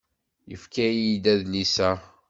Yefka-iyi-d adlis-a.